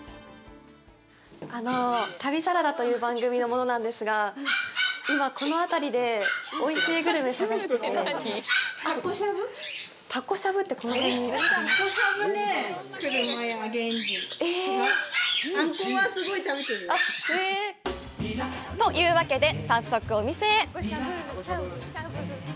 あの、旅サラダという番組の者なんですが、今、この辺りでおいしいグルメ、探しててというわけで、早速お店へ！